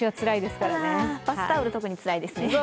バスタオル特につらいですね。